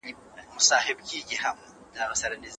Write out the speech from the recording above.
ژوند ته په درنه سترګه وګورئ.